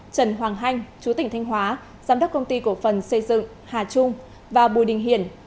trần hoàng hanh chú tỉnh thanh hóa giám đốc công ty cổ phần xây dựng hà trung và bùi đình hiển